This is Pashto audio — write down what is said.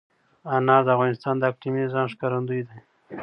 انار د افغانستان د اقلیمي نظام ښکارندوی ده.